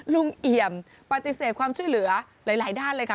เอี่ยมปฏิเสธความช่วยเหลือหลายด้านเลยค่ะ